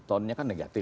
tonnya kan negatif